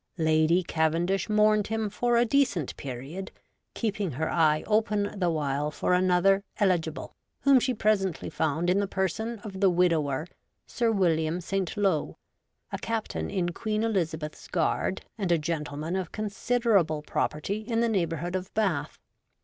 Lady Cavendish mourned him for a decent period, keep ing her eye open the while for another eligible, whom she presently found in the person of the 66 REVOLTED WOMAN. widower, Sir William Saint Lo, a captain in Queen Elizabeth's guard and a gentleman of considerable property in the neighbourhood of Bath.